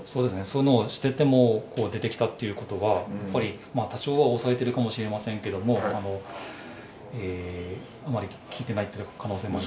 そういうのをしていても出てきたっていうことはやっぱり多少は抑えてるかもしれませんけどもえーあまり効いてないっていう可能性も。